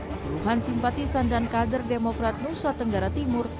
puluhan simpatisan dan kader demokrat nusa tenggara timur